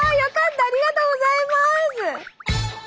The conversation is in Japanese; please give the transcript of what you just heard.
ありがとうございます！